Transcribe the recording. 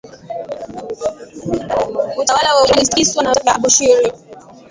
utawala wa Ujerumani ulitikiswa na vita ya Abushiri